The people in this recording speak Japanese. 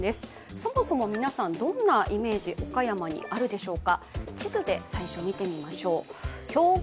そもそも皆さんどんなイメージ、岡山にあるでしょうか。